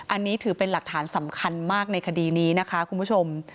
อันนี้ถือเป็นหลักฐานสำคัญมากในคดีนี้นะคะคุณผู้ชม